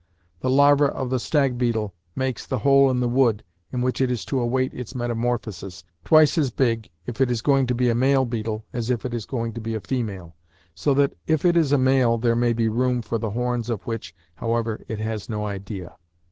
The larva of the stag beetle makes the hole in the wood, in which it is to await its metamorphosis, twice as big if it is going to be a male beetle as if it is going to be a female, so that if it is a male there may be room for the horns, of which, however, it has no idea.